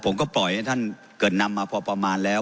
ผมก็ปล่อยให้ท่านเกิดนำมาพอประมาณแล้ว